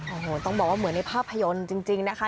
โอ้โหต้องบอกว่าเหมือนในภาพยนตร์จริงนะคะ